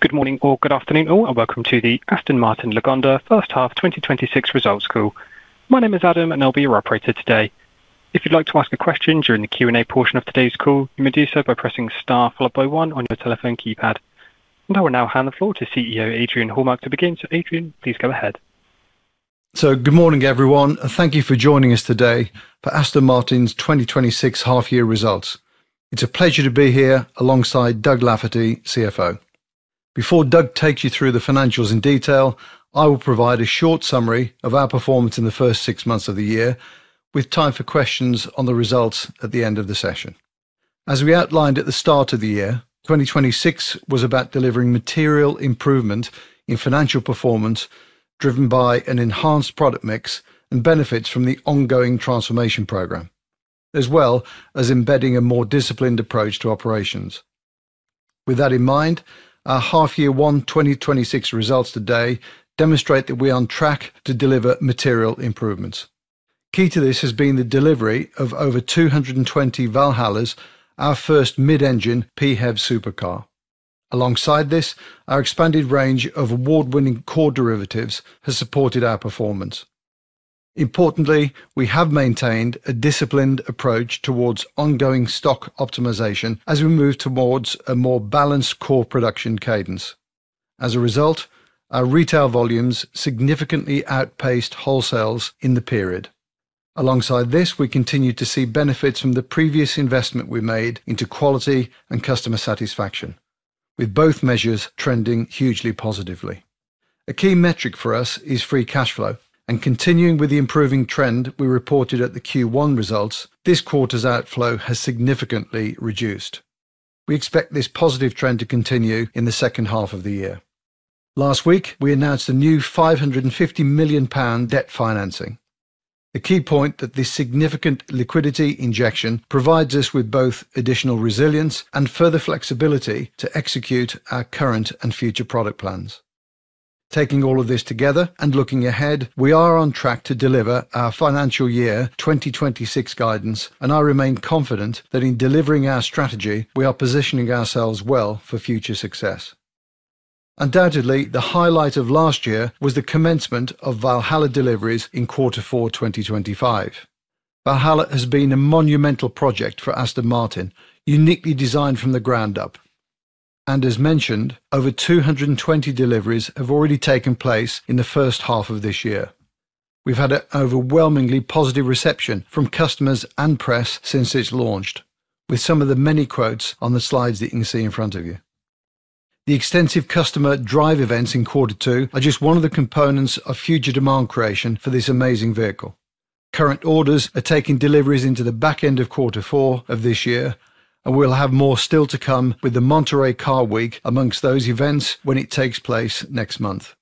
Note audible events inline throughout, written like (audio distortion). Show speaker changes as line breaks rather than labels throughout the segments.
Good morning or good afternoon all, welcome to the Aston Martin Lagonda First Half 2026 Results Call. My name is Adam, and I'll be your operator today. If you would like to ask a question during the Q&A portion of today's call, you may do so by pressing star followed by one on your telephone keypad. I will now hand the floor to CEO Adrian Hallmark to begin. Adrian, please go ahead.
Good morning, everyone. Thank you for joining us today for Aston Martin's 2026 half-year results. It's a pleasure to be here alongside Doug Lafferty, CFO. Before Doug takes you through the financials in detail, I will provide a short summary of our performance in the first six months of the year, with time for questions on the results at the end of the session. As we outlined at the start of the year, 2026 was about delivering material improvement in financial performance, driven by an enhanced product mix and benefits from the ongoing transformation program, as well as embedding a more disciplined approach to operations. With that in mind, our half-year one, 2026 results today demonstrate that we are on track to deliver material improvements. Key to this has been the delivery of over 220 Valhallas, our first mid-engine PHEV supercar. Alongside this, our expanded range of award-winning core derivatives has supported our performance. Importantly, we have maintained a disciplined approach towards ongoing stock optimization as we move towards a more balanced core production cadence. As a result, our retail volumes significantly outpaced wholesales in the period. Alongside this, we continue to see benefits from the previous investment we made into quality and customer satisfaction, with both measures trending hugely positively. A key metric for us is free cash flow, continuing with the improving trend we reported at the Q1 results, this quarter's outflow has significantly reduced. We expect this positive trend to continue in the second half of the year. Last week, we announced a new 550 million pound debt financing. A key point that this significant liquidity injection provides us with both additional resilience and further flexibility to execute our current and future product plans. Taking all of this together, looking ahead, we are on track to deliver our financial year 2026 guidance, and I remain confident that in delivering our strategy, we are positioning ourselves well for future success. Undoubtedly, the highlight of last year was the commencement of Valhalla deliveries in quarter four 2025. Valhalla has been a monumental project for Aston Martin, uniquely designed from the ground up. As mentioned, over 220 deliveries have already taken place in the first half of this year. We've had an overwhelmingly positive reception from customers and press since it's launched, with some of the many quotes on the slides that you can see in front of you. The extensive customer drive events in quarter two are just one of the components of future demand creation for this amazing vehicle. Current orders are taking deliveries into the back end of quarter four of this year, and we'll have more still to come with the Monterey Car Week amongst those events when it takes place next month.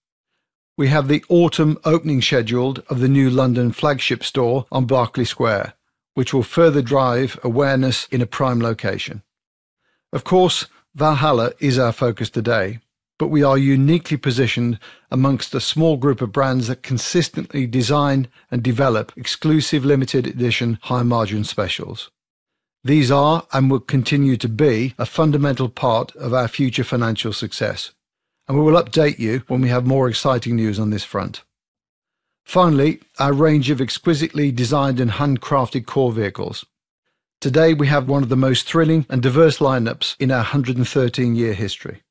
We have the autumn opening scheduled of the new London flagship store on Berkeley Square, which will further drive awareness in a prime location. Of course, Valhalla is our focus today, but we are uniquely positioned amongst a small group of brands that consistently design and develop exclusive, limited edition, high-margin specials. These are, and will continue to be, a fundamental part of our future financial success, and we will update you when we have more exciting news on this front. Finally, our range of exquisitely designed and handcrafted core vehicles. Today, we have one of the most thrilling and diverse lineups in our 113-year history.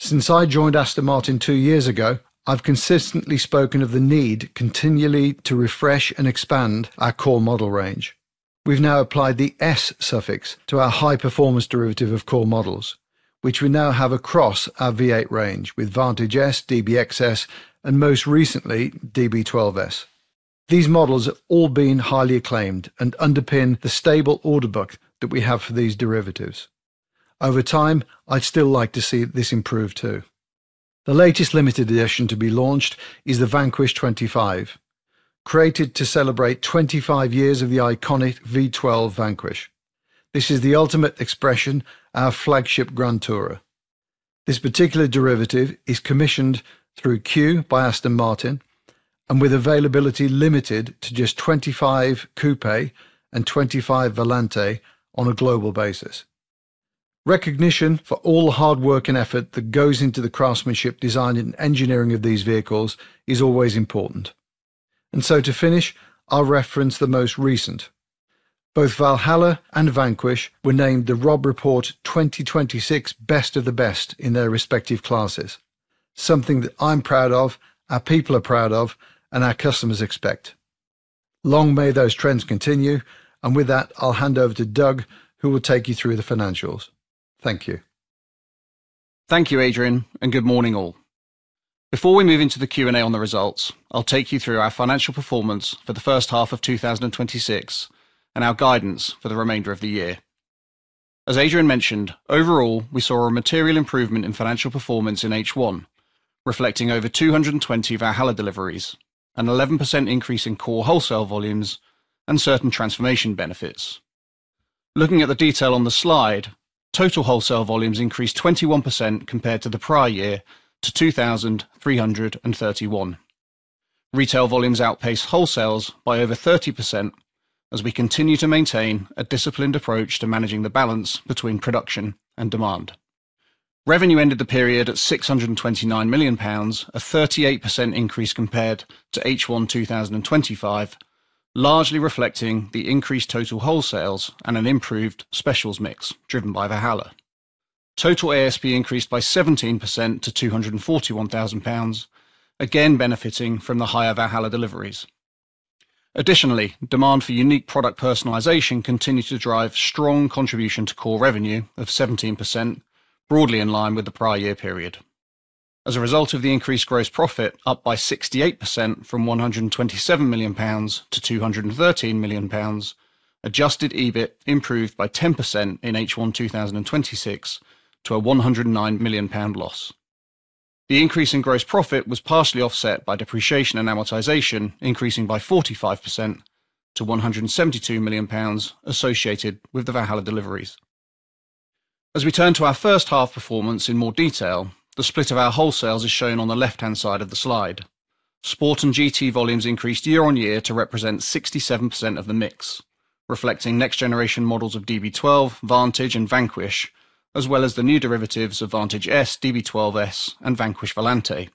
Since I joined Aston Martin two years ago, I've consistently spoken of the need continually to refresh and expand our core model range. We've now applied the S suffix to our high-performance derivative of core models, which we now have across our V8 range with Vantage S, DBX S, and most recently, DB12 S. These models have all been highly acclaimed and underpin the stable order book that we have for these derivatives. Over time, I'd still like to see this improve too. The latest limited edition to be launched is the Vanquish 25. Created to celebrate 25 years of the iconic V12 Vanquish. This is the ultimate expression of our flagship Grand Tourer. This particular derivative is commissioned through Q by Aston Martin, and with availability limited to just 25 coupe and 25 Volante on a global basis. Recognition for all the hard work and effort that goes into the craftsmanship, design, and engineering of these vehicles is always important. To finish, I'll reference the most recent. Both Valhalla and Vanquish were named the Robb Report 2026 Best of the Best in their respective classes. Something that I'm proud of, our people are proud of, and our customers expect. Long may those trends continue. I'll hand over to Doug who will take you through the financials. Thank you.
Thank you, Adrian. Good morning all. Before we move into the Q&A on the results, I'll take you through our financial performance for the first half of 2026 and our guidance for the remainder of the year. As Adrian mentioned, overall, we saw a material improvement in financial performance in H1, reflecting over 220 Valhalla deliveries, an 11% increase in core wholesale volumes, and certain transformation benefits. Looking at the detail on the slide, total wholesale volumes increased 21% compared to the prior year to 2,331. Retail volumes outpaced wholesales by over 30% as we continue to maintain a disciplined approach to managing the balance between production and demand. Revenue ended the period at 629 million pounds, a 38% increase compared to H1 2025, largely reflecting the increased total wholesales and an improved specials mix driven by Valhalla. Total ASP increased by 17% to 241,000 pounds, again benefiting from the higher Valhalla deliveries. Additionally, demand for unique product personalization continued to drive strong contribution to core revenue of 17%, broadly in line with the prior year period. As a result of the increased gross profit, up by 68% from 127 million pounds to 213 million pounds, adjusted EBIT improved by 10% in H1 2026 to a 109 million pound loss. The increase in gross profit was partially offset by depreciation and amortization increasing by 45% to 172 million pounds associated with the Valhalla deliveries. As we turn to our first half performance in more detail, the split of our wholesales is shown on the left-hand side of the slide. Sport and GT volumes increased year-on-year to represent 67% of the mix, reflecting next-generation models of DB12, Vantage, and Vanquish, as well as the new derivatives of Vantage S, DB12 S, and Vanquish Volante.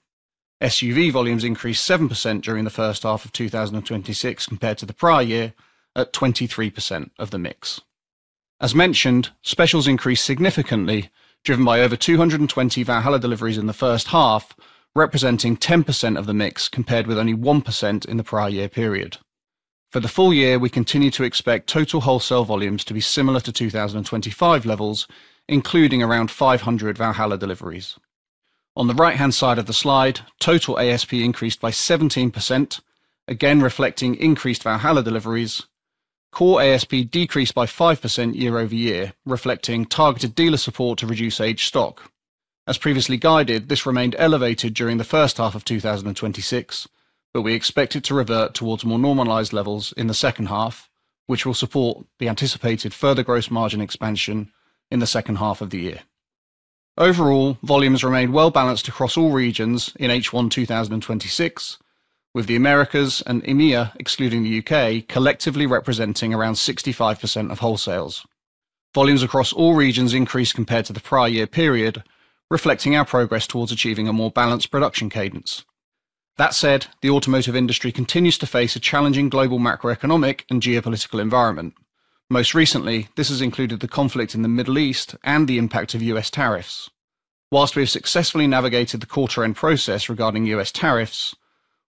SUV volumes increased 7% during the first half of 2026 compared to the prior year at 23% of the mix. As mentioned, specials increased significantly, driven by over 220 Valhalla deliveries in the first half, representing 10% of the mix compared with only 1% in the prior year period. For the full year, we continue to expect total wholesale volumes to be similar to 2025 levels, including around 500 Valhalla deliveries. On the right-hand side of the slide, total ASP increased by 17%, again reflecting increased Valhalla deliveries. Core ASP decreased by 5% year-over-year, reflecting targeted dealer support to reduce aged stock. As previously guided, this remained elevated during the first half of 2026, but we expect it to revert towards more normalized levels in the second half, which will support the anticipated further gross margin expansion in the second half of the year. Overall, volumes remained well-balanced across all regions in H1 2026, with the Americas and EMEA, excluding the U.K., collectively representing around 65% of wholesales. Volumes across all regions increased compared to the prior year period, reflecting our progress towards achieving a more balanced production cadence. That said, the automotive industry continues to face a challenging global macroeconomic and geopolitical environment. Most recently, this has included the conflict in the Middle East and the impact of U.S. tariffs. Whilst we have successfully navigated the quarter-end process regarding U.S. tariffs,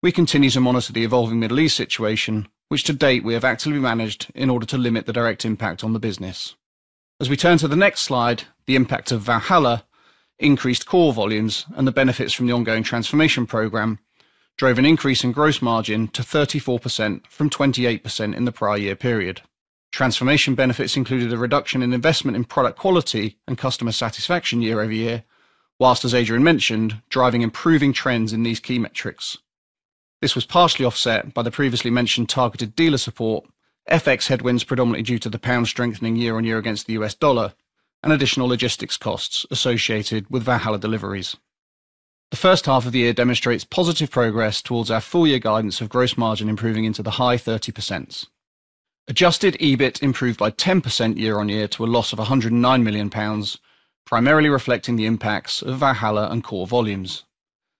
we continue to monitor the evolving Middle East situation, which to date we have actively managed in order to limit the direct impact on the business. As we turn to the next slide, the impact of Valhalla increased core volumes and the benefits from the ongoing transformation program drove an increase in gross margin to 34% from 28% in the prior year period. Transformation benefits included a reduction in investment in product quality and customer satisfaction year-over-year, whilst, as Adrian mentioned, driving improving trends in these key metrics. This was partially offset by the previously mentioned targeted dealer support, FX headwinds predominantly due to the pound strengthening year-on-year against the U.S. dollar, and additional logistics costs associated with Valhalla deliveries. The first half of the year demonstrates positive progress towards our full-year guidance of gross margin improving into the high 30%. Adjusted EBIT improved by 10% year-on-year to a loss of 109 million pounds, primarily reflecting the impacts of Valhalla and core volumes.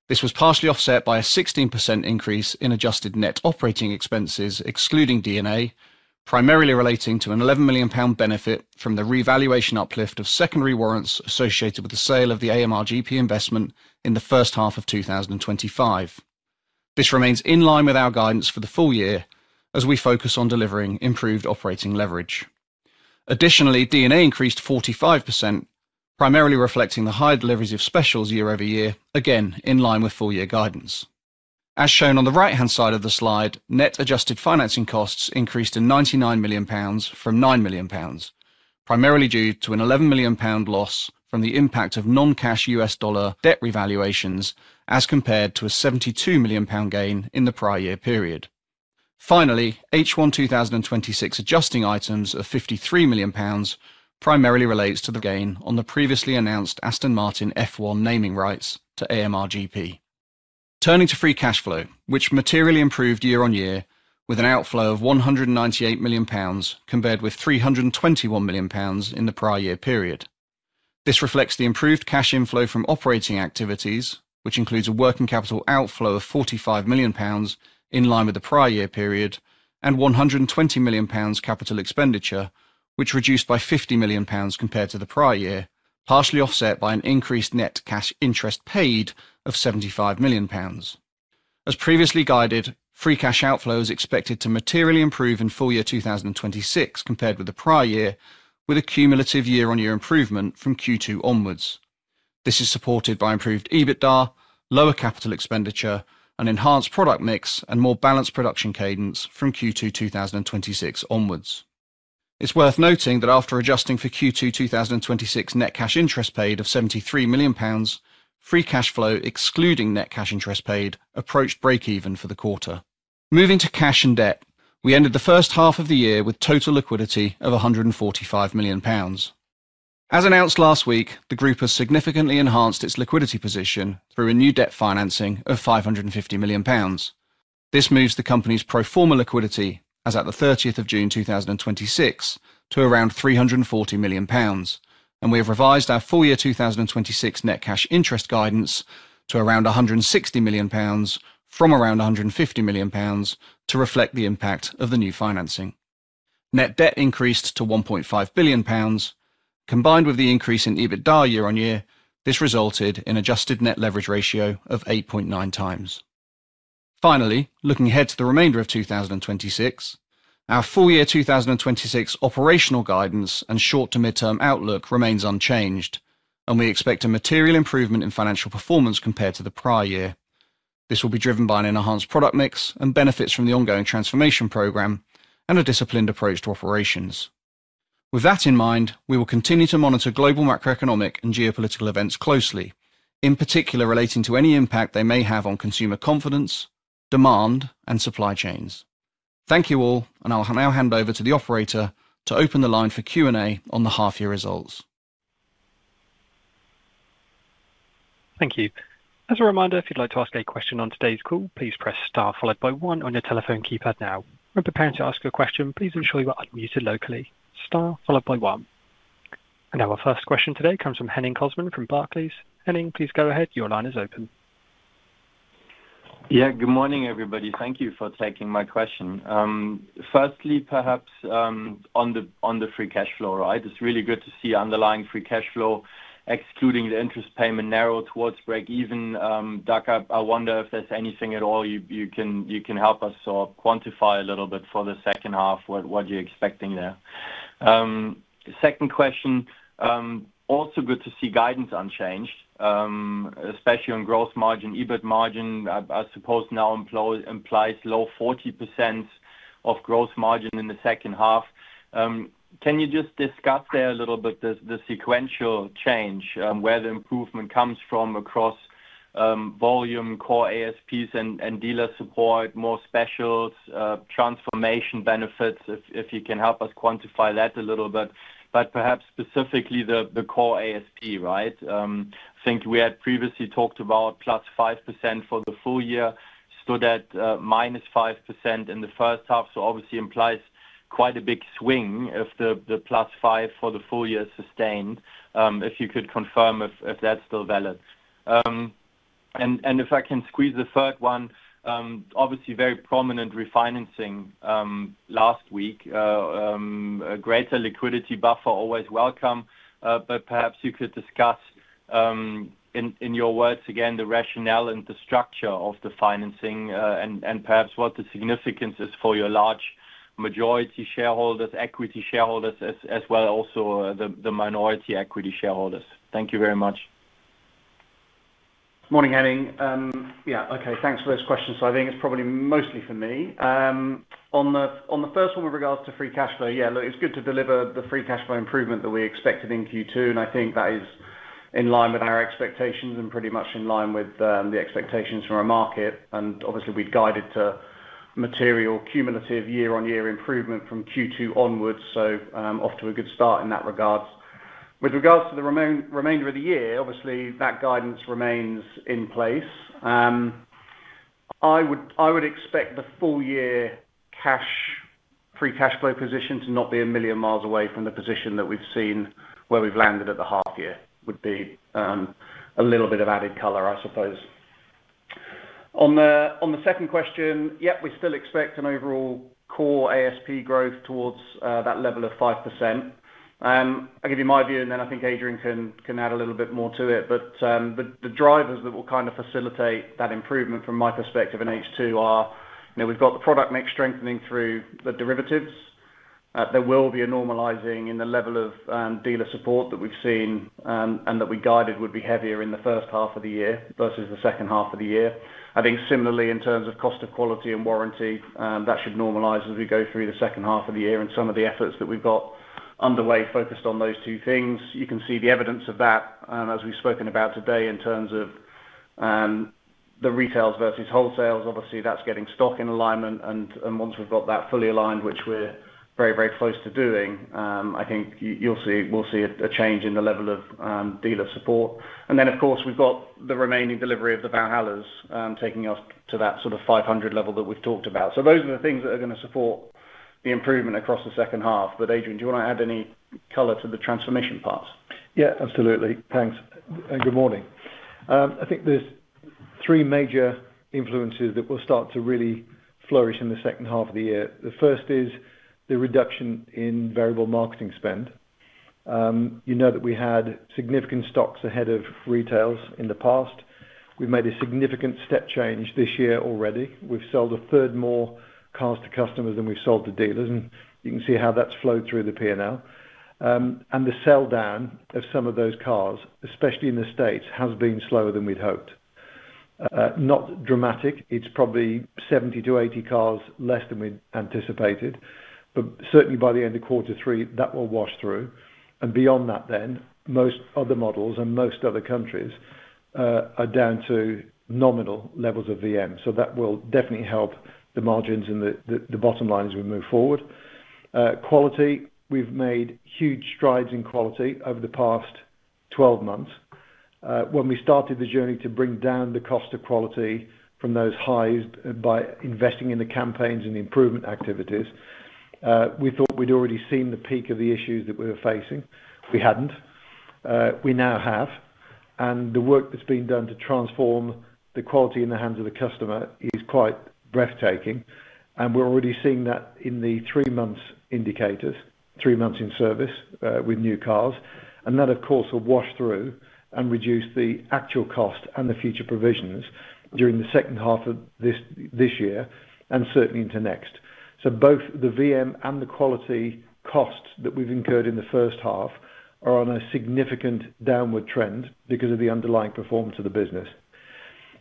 This was partially offset by a 16% increase in adjusted net operating expenses excluding D&A, primarily relating to a 11 million pound benefit from the revaluation uplift of secondary warrants associated with the sale of the AMR GP investment in the first half of 2025. This remains in line with our guidance for the full year as we focus on delivering improved operating leverage. Additionally, D&A increased 45%, primarily reflecting the higher deliveries of specials year-on-year, again in line with full-year guidance. As shown on the right-hand side of the slide, net adjusted financing costs increased to 99 million pounds from 9 million pounds, primarily due to a 11 million pound loss from the impact of non-cash U.S. dollar debt revaluations as compared to a 72 million pound gain in the prior year period. Finally, H1 2026 adjusting items of 53 million pounds primarily relates to the gain on the previously announced Aston Martin F1 naming rights to AMR GP. Turning to free cash flow, which materially improved year-on-year with an outflow of 198 million pounds compared with 321 million pounds in the prior year period. This reflects the improved cash inflow from operating activities, which includes a working capital outflow of 45 million pounds in line with the prior year period and 120 million pounds capital expenditure, which reduced by 50 million pounds compared to the prior year, partially offset by an increased net cash interest paid of 75 million pounds. As previously guided, free cash outflow is expected to materially improve in full-year 2026 compared with the prior year, with a cumulative year-on-year improvement from Q2 onwards. This is supported by improved EBITDA, lower capital expenditure, an enhanced product mix, and more balanced production cadence from Q2 2026 onwards. It's worth noting that after adjusting for Q2 2026 net cash interest paid of 73 million pounds, free cash flow excluding net cash interest paid approached breakeven for the quarter. Moving to cash and debt, we ended the first half of the year with total liquidity of 145 million pounds. As announced last week, the group has significantly enhanced its liquidity position through a new debt financing of 550 million pounds. This moves the company's pro forma liquidity as at the 30th of June 2026 to around 340 million pounds, and we have revised our full-year 2026 net cash interest guidance to around 160 million pounds from around 150 million pounds to reflect the impact of the new financing. Net debt increased to 1.5 billion pounds. Combined with the increase in EBITDA year-on-year, this resulted in adjusted net leverage ratio of 8.9x. Finally, looking ahead to the remainder of 2026, our full-year 2026 operational guidance and short-to-midterm outlook remains unchanged, and we expect a material improvement in financial performance compared to the prior year. This will be driven by an enhanced product mix and benefits from the ongoing transformation program and a disciplined approach to operations. With that in mind, we will continue to monitor global macroeconomic and geopolitical events closely, in particular relating to any impact they may have on consumer confidence, demand, and supply chains. Thank you all, and I will now hand over to the operator to open the line for Q&A on the half year results.
Thank you. As a reminder, if you would like to ask a question on today's call, please press star followed by one on your telephone keypad now. When preparing to ask a question, please ensure you are unmuted locally. Star followed by one. Our first question today comes from Henning Cosman from Barclays. Henning, please go ahead. Your line is open.
Good morning, everybody. Thank you for taking my question. Firstly, perhaps, on the free cash flow. It is really good to see underlying free cash flow, excluding the interest payment narrow towards breakeven. Doug, I wonder if there is anything at all you can help us quantify a little bit for the second half. What are you expecting there? Second question, also good to see guidance unchanged, especially on gross margin, EBIT margin, I suppose now implies low 40% of gross margin in the second half. Can you just discuss there a little bit the sequential change, where the improvement comes from across volume, core ASPs and dealer support, more specials, transformation benefits, if you can help us quantify that a little bit. But perhaps specifically the core ASP. I think we had previously talked about +5% for the full year, stood at -5% in the first half, so obviously implies quite a big swing if the +5% for the full year is sustained. If you could confirm if that is still valid. If I can squeeze a third one, obviously very prominent refinancing last week. A greater liquidity buffer always welcome, but perhaps you could discuss, in your words again, the rationale and the structure of the financing, and perhaps what the significance is for your large majority shareholders, equity shareholders, as well also the minority equity shareholders. Thank you very much.
Morning, Henning. Yeah, okay. Thanks for those questions. I think it's probably mostly for me. On the first one with regards to free cash flow, yeah, look, it's good to deliver the free cash flow improvement that we expected in Q2, and I think that is in line with our expectations and pretty much in line with the expectations from our market, and obviously we'd guided to material cumulative year-on-year improvement from Q2 onwards. Off to a good start in that regards. With regards to the remainder of the year, obviously that guidance remains in place. I would expect the full year free cash flow position to not be a million miles away from the position that we've seen where we've landed at the half year, would be a little bit of added color, I suppose. On the second question, yep, we still expect an overall core ASP growth towards that level of 5%. I'll give you my view and then I think Adrian can add a little bit more to it. The drivers that will facilitate that improvement from my perspective in H2 are, we've got the product mix strengthening through the derivatives. There will be a normalizing in the level of dealer support that we've seen, and that we guided would be heavier in the first half of the year versus the second half of the year. I think similarly, in terms of cost of quality and warranty, that should normalize as we go through the second half of the year and some of the efforts that we've got underway focused on those two things. You can see the evidence of that, as we've spoken about today, in terms of the retails versus wholesales. Obviously, that's getting stock in alignment, and once we've got that fully aligned, which we're very close to doing, I think we'll see a change in the level of dealer support. Then, of course, we've got the remaining delivery of the Valhallas, taking us to that sort of 500 level that we've talked about. Those are the things that are going to support the improvement across the second half. Adrian, do you want to add any color to the transformation part?
Yeah, absolutely. Thanks. Good morning. I think there's three major influences that will start to really flourish in the second half of the year. The first is the reduction in variable marketing spend. You know that we had significant stocks ahead of retails in the past. We've made a significant step change this year already. We've sold a third more cars to customers than we've sold to dealers, and you can see how that's flowed through the P&L. The sell-down of some of those cars, especially in the States, has been slower than we'd hoped. Not dramatic. It's probably 70-80 cars less than we'd anticipated. Certainly by the end of quarter three, that will wash through. Beyond that then, most other models and most other countries are down to nominal levels of VM. That will definitely help the margins and the bottom line as we move forward. Quality, we've made huge strides in quality over the past 12 months. When we started the journey to bring down the cost of quality from those highs by investing in the campaigns and the improvement activities, we thought we'd already seen the peak of the issues that we were facing. We hadn't. We now have, and the work that's been done to transform the quality in the hands of the customer is quite breathtaking, and we are already seeing that in the three months indicators, three months in service with new cars. That, of course, will wash through and reduce the actual cost and the future provisions during the second half of this year, and certainly into next. Both the VM and the quality costs that we've incurred in the first half are on a significant downward trend because of the underlying performance of the business.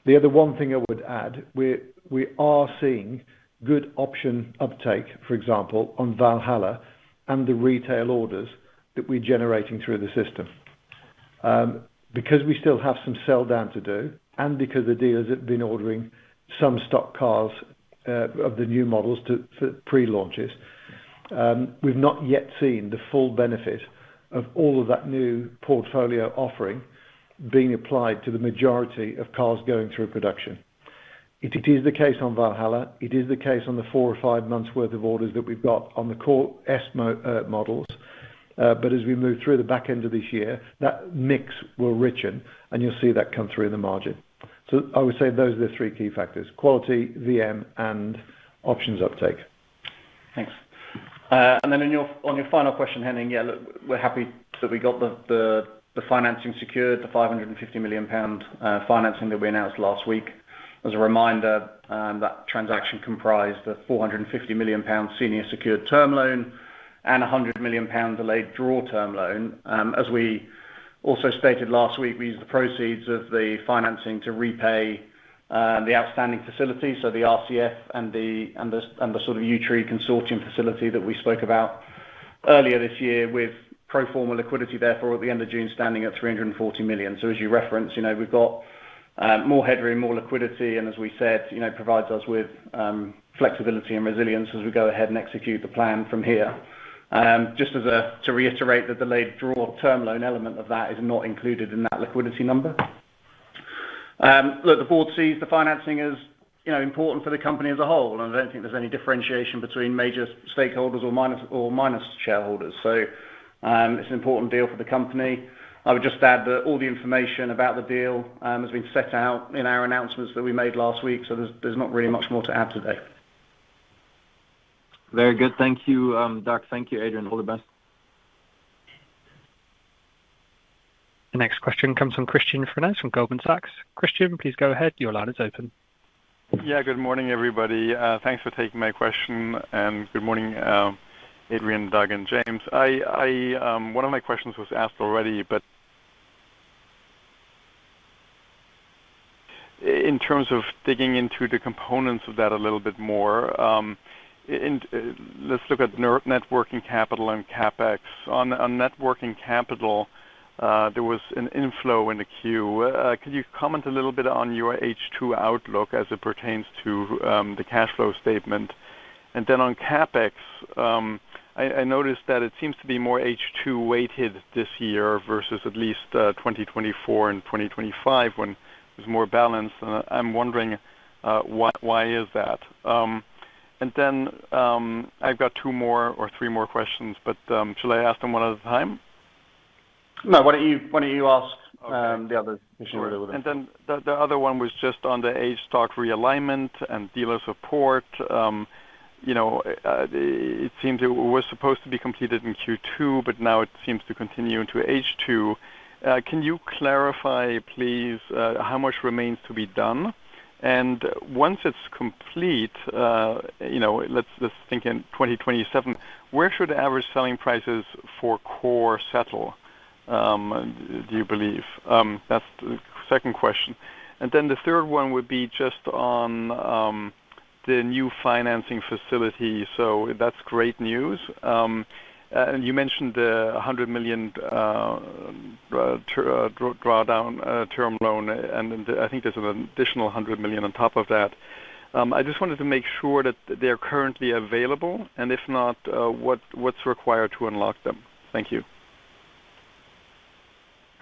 The other one thing I would add, we are seeing good option uptake, for example, on Valhalla and the retail orders that we are generating through the system. Because we still have some sell down to do, and because the dealers have been ordering some stock cars of the new models for pre-launches, we've not yet seen the full benefit of all of that new portfolio offering being applied to the majority of cars going through production. It is the case on Valhalla. It is the case on the four or five months worth of orders that we've got on the core S models. As we move through the back end of this year, that mix will richen, and you'll see that come through in the margin. I would say those are the three key factors, quality, VM, and options uptake.
Thanks. Then on your final question, Henning, yeah, look, we are happy that we got the financing secured, the 550 million pound financing that we announced last week. As a reminder, that transaction comprised a 450 million pounds senior secured term loan and 100 million pounds delayed draw term loan. As we also stated last week, we used the proceeds of the financing to repay the outstanding facilities, the RCF and the sort of Yew Tree Consortium facility that we spoke about earlier this year with pro forma liquidity, therefore, at the end of June, standing at 340 million. As you reference, we've got more headroom, more liquidity, and as we said, provides us with flexibility and resilience as we go ahead and execute the plan from here. Just to reiterate, the delayed draw term loan element of that is not included in that liquidity number. Look, the board sees the financing as important for the company as a whole. I don't think there's any differentiation between major stakeholders or minor shareholders. It's an important deal for the company. I would just add that all the information about the deal has been set out in our announcements that we made last week. There's not really much more to add today.
Very good. Thank you, Doug. Thank you, Adrian. All the best.
The next question comes from Christian Frenes from Goldman Sachs. Christian, please go ahead. Your line is open.
Yeah, good morning, everybody. Thanks for taking my question. Good morning, Adrian, Doug, and James. One of my questions was asked already, but (audio distortion) in terms of digging into the components of that a little bit more, let's look at net working capital and CapEx. On net working capital, there was an inflow in the Q. Could you comment a little bit on your H2 outlook as it pertains to the cash flow statement? On CapEx, I noticed that it seems to be more H2 weighted this year versus at least 2024 and 2025, when it was more balanced. I'm wondering why is that? I've got two more or three more questions, should I ask them one at a time?
No, why don't you ask the others first.
Okay. The other one was just on the aged stock realignment and dealer support. It seems it was supposed to be completed in Q2, but now it seems to continue into H2. Can you clarify, please, how much remains to be done? Once it's complete, let's think in 2027, where should average selling prices for core settle, do you believe? That's the second question. The third one would be just on the new financing facility. That's great news. You mentioned the 100 million drawdown term loan, and I think there's an additional 100 million on top of that. I just wanted to make sure that they're currently available, and if not, what's required to unlock them? Thank you.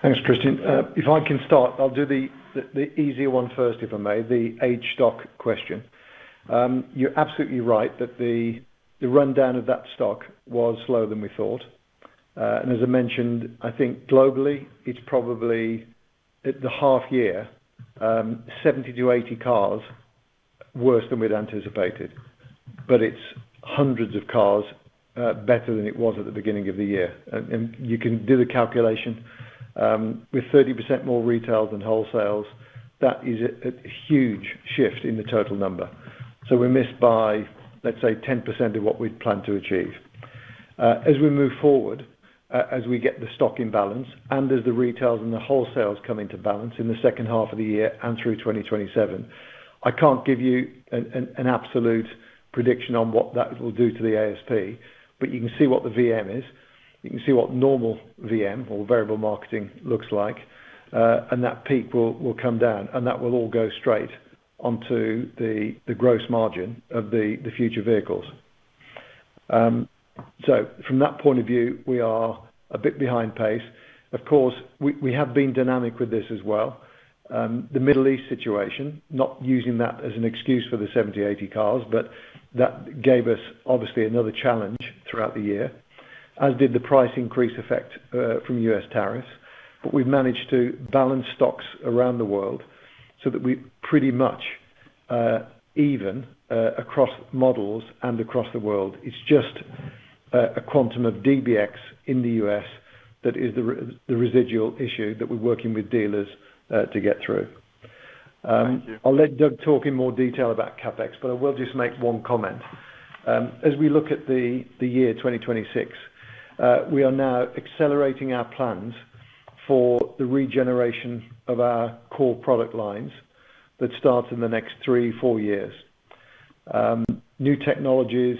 Thanks, Christian. If I can start, I'll do the easier one first, if I may, the aged stock question. You're absolutely right that the rundown of that stock was slower than we thought. As I mentioned, I think globally, it's probably at the half year, 70-80 cars worse than we'd anticipated. It's hundreds of cars better than it was at the beginning of the year. You can do the calculation. With 30% more retail than wholesales, that is a huge shift in the total number. We missed by, let's say, 10% of what we'd planned to achieve. As we move forward, as we get the stock in balance, and as the retails and the wholesales come into balance in the second half of the year and through 2027 I can't give you an absolute prediction on what that will do to the ASP, but you can see what the VM is. You can see what normal VM or variable marketing looks like. That peak will come down, and that will all go straight onto the gross margin of the future vehicles. From that point of view, we are a bit behind pace. Of course, we have been dynamic with this as well. The Middle East situation, not using that as an excuse for the 70-80 cars, but that gave us obviously another challenge throughout the year, as did the price increase effect from U.S. tariffs. We've managed to balance stocks around the world so that we pretty much even across models and across the world. It's just a quantum of DBX in the U.S. that is the residual issue that we're working with dealers to get through.
Thank you.
I'll let Doug talk in more detail about CapEx. I will just make one comment. As we look at the year 2026, we are now accelerating our plans for the regeneration of our core product lines that start in the next three, four years. New technologies,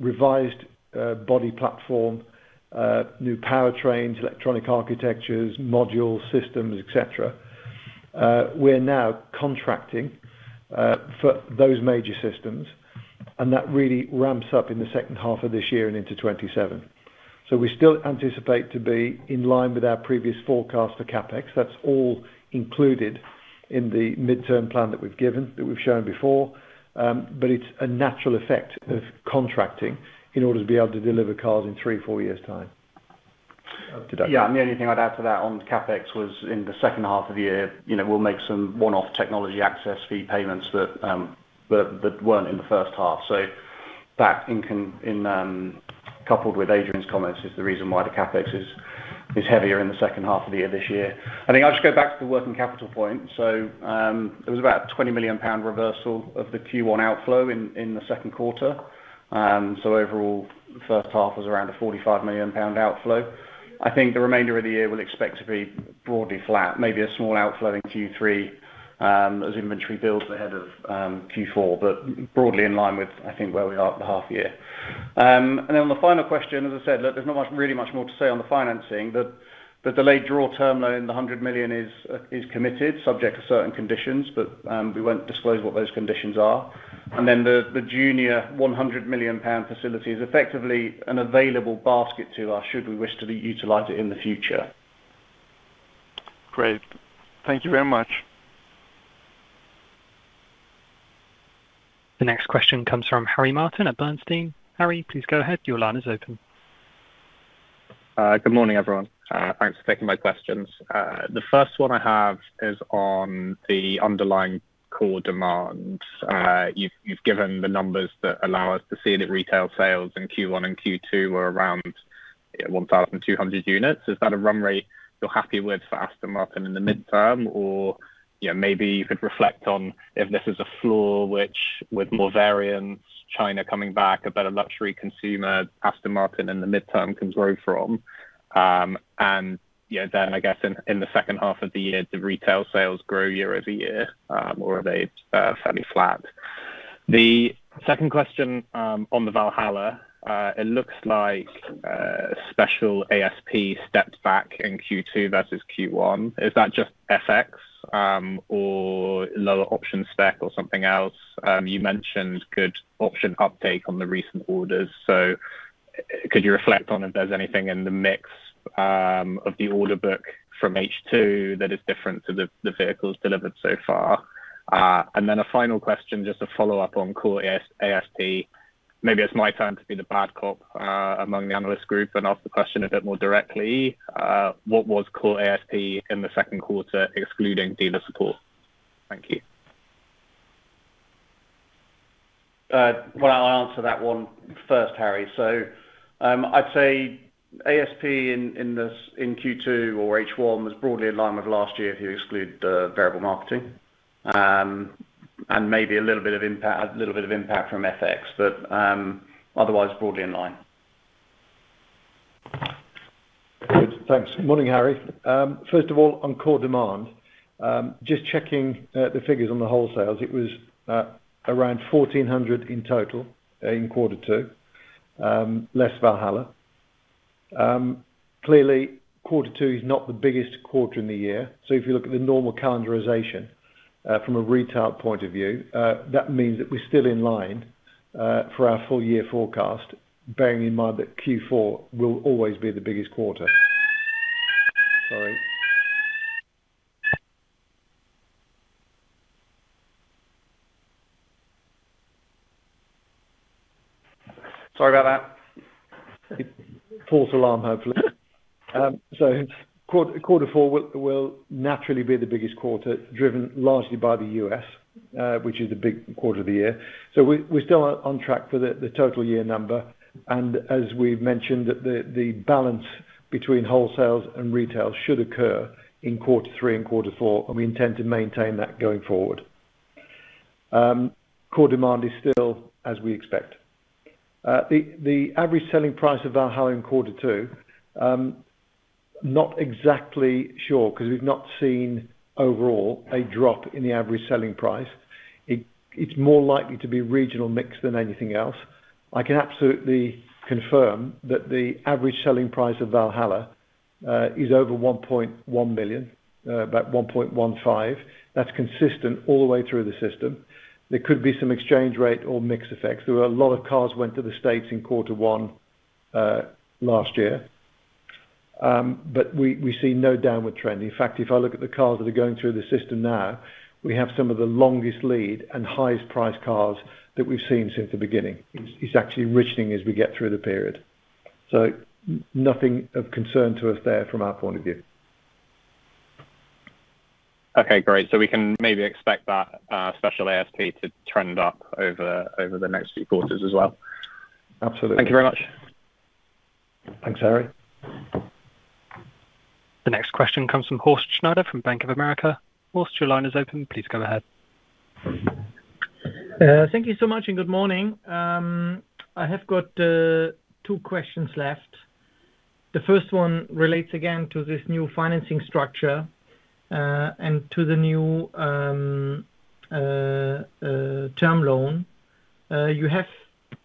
revised body platform, new powertrains, electronic architectures, modules, systems, et cetera. We're now contracting for those major systems, and that really ramps up in the second half of this year and into 2027. We still anticipate to be in line with our previous forecast for CapEx. That's all included in the midterm plan that we've given, that we've shown before. It's a natural effect of contracting in order to be able to deliver cars in three, four years' time.
Yeah. The only thing I'd add to that on CapEx was in the second half of the year, we'll make some one-off technology access fee payments that weren't in the first half. That coupled with Adrian's comments, is the reason why the CapEx is heavier in the second half of the year this year. I think I'll just go back to the working capital point. It was about 20 million pound reversal of the Q1 outflow in the second quarter. Overall, the first half was around a 45 million pound outflow. I think the remainder of the year we'll expect to be broadly flat, maybe a small outflow in Q3, as inventory builds ahead of Q4, but broadly in line with, I think, where we are at the half year. On the final question, as I said, look, there's not really much more to say on the financing. The delayed draw term loan, the 100 million is committed subject to certain conditions, but we won't disclose what those conditions are. The junior 100 million pound facility is effectively an available basket to us should we wish to utilize it in the future.
Great. Thank you very much.
The next question comes from Harry Martin at Bernstein. Harry, please go ahead. Your line is open.
Good morning, everyone. Thanks for taking my questions. The first one I have is on the underlying core demand. You've given the numbers that allow us to see that retail sales in Q1 and Q2 were around 1,200 units. Is that a run rate you're happy with for Aston Martin in the midterm? Or maybe you could reflect on if this is a floor which with more variance, China coming back, a better luxury consumer Aston Martin in the midterm can grow from. I guess in the second half of the year, did retail sales grow year-over-year, or are they fairly flat? The second question on the Valhalla. It looks like special ASP stepped back in Q2 versus Q1. Is that just FX, or lower option spec or something else? You mentioned good option uptake on the recent orders. Could you reflect on if there's anything in the mix of the order book from H2 that is different to the vehicles delivered so far? A final question, just a follow-up on core ASP. Maybe it's my turn to be the bad cop among the analyst group and ask the question a bit more directly. What was core ASP in the second quarter excluding dealer support? Thank you.
Well, I'll answer that one first, Harry. I'd say ASP in Q2 or H1 was broadly in line with last year if you exclude variable marketing. Maybe a little bit of impact from FX, but otherwise broadly in line.
Good. Thanks. Morning, Harry. First of all, on core demand, just checking the figures on the wholesales, it was around 1,400 in total in quarter two, less Valhalla. Clearly, quarter two is not the biggest quarter in the year. If you look at the normal calendarization from a retail point of view, that means that we're still in line for our full year forecast, bearing in mind that Q4 will always be the biggest quarter. Sorry.
Sorry about that.
False alarm, hopefully. Quarter four will naturally be the biggest quarter, driven largely by the U.S., which is a big quarter of the year. We're still on track for the total year number. As we've mentioned, the balance between wholesales and retails should occur in quarter three and quarter four, and we intend to maintain that going forward. Core demand is still as we expect. The average selling price of Valhalla in quarter two, I'm not exactly sure because we've not seen overall a drop in the average selling price. It's more likely to be regional mix than anything else. I can absolutely confirm that the average selling price of Valhalla is over 1.1 million, about 1.15 million. That's consistent all the way through the system. There could be some exchange rate or mix effects. There were a lot of cars went to the U.S. in quarter one last year. We see no downward trend. If I look at the cars that are going through the system now, we have some of the longest lead and highest priced cars that we've seen since the beginning. It's actually richening as we get through the period. Nothing of concern to us there from our point of view.
Okay, great. We can maybe expect that special ASP to trend up over the next few quarters as well.
Absolutely.
Thank you very much.
Thanks, Harry.
The next question comes from Horst Schneider from Bank of America. Horst, your line is open. Please go ahead.
Thank you so much. Good morning. I have got two questions left. The first one relates again to this new financing structure and to the new term loan. You have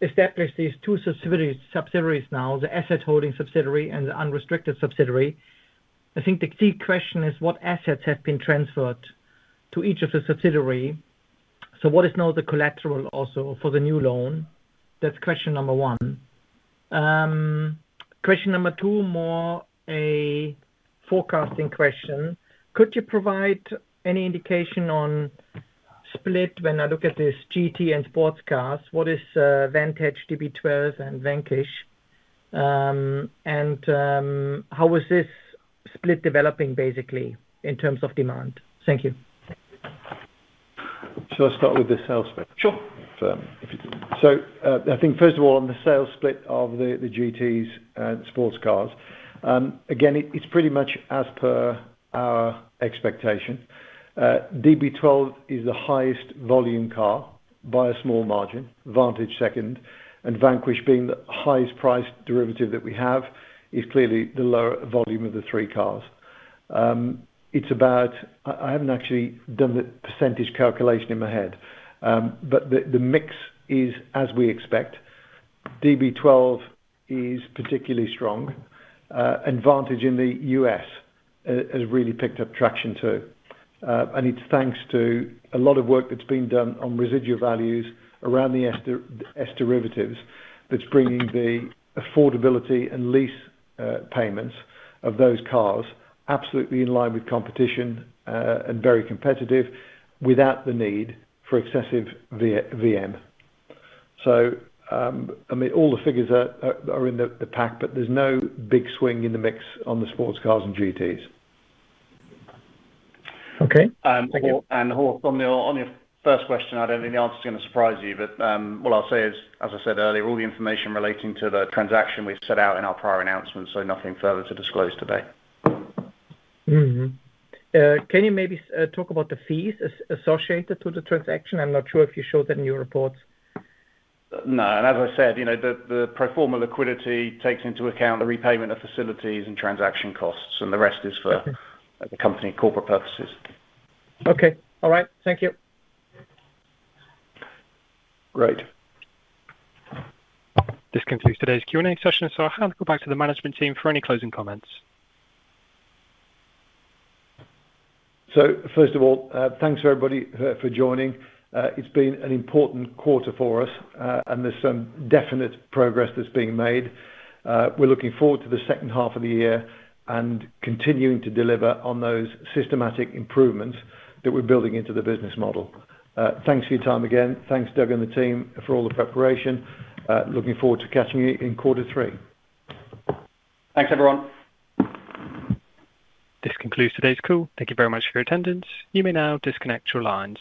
established these two subsidiaries now, the asset-holding subsidiary and the unrestricted subsidiary. I think the key question is what assets have been transferred to each of the subsidiary. What is now the collateral also for the new loan? That's question number one. Question number two, more a forecasting question. Could you provide any indication on split when I look at this GT and sports cars? What is Vantage, DB12 and Vanquish? How was this split developing basically in terms of demand? Thank you.
Should I start with the sales split?
Sure.
I think first of all, on the sales split of the GTs and sports cars, again, it's pretty much as per our expectation. DB12 is the highest volume car by a small margin, Vantage second, and Vanquish being the highest priced derivative that we have, is clearly the lower volume of the three cars. I haven't actually done the percentage calculation in my head. The mix is as we expect. DB12 is particularly strong. Vantage in the U.S. has really picked up traction too. It's thanks to a lot of work that's been done on residual values around the S derivatives that's bringing the affordability and lease payments of those cars absolutely in line with competition and very competitive without the need for excessive VM. All the figures are in the pack, there's no big swing in the mix on the sports cars and GTs.
Okay.
Horst, on your first question, I don't think the answer is going to surprise you. What I'll say is, as I said earlier, all the information relating to the transaction we've set out in our prior announcement, nothing further to disclose today.
Can you maybe talk about the fees associated to the transaction? I'm not sure if you showed that in your reports.
No. As I said, the pro forma liquidity takes into account the repayment of facilities and transaction costs. The rest is for the company corporate purposes.
Okay. All right. Thank you.
Great.
This concludes today's Q&A session. I'll hand it back to the management team for any closing comments.
First of all, thanks, everybody, for joining. It's been an important quarter for us, and there's some definite progress that's being made. We're looking forward to the second half of the year and continuing to deliver on those systematic improvements that we're building into the business model. Thanks for your time again. Thanks, Doug and the team, for all the preparation. Looking forward to catching you in quarter three.
Thanks, everyone.
This concludes today's call. Thank you very much for your attendance. You may now disconnect your lines.